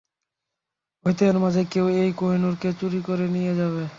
হয়তো এর মাঝেই কেউ এই কোহিনূর কে চুরি করে নিয়ে যাবে।